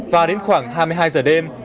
và đến khoảng hai mươi hai giờ đêm